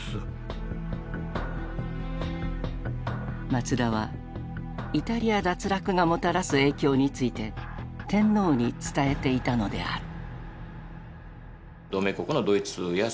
松田はイタリア脱落がもたらす影響について天皇に伝えていたのである。